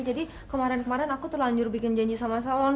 jadi kemarin kemarin aku terlanjur bikin janji sama salon